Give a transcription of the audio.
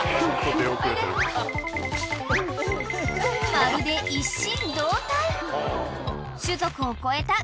［まるで一心同体］